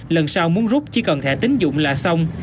lần sau muốn rút chỉ còn thẻ tính dụng là xong